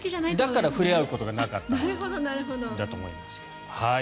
だから触れ合うことがなかったんだと思いますけど。